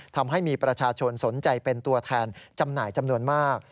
ทำให้มีประชาชนสนใจเป็นตัวแทนจำหน่ายจำนวนมาก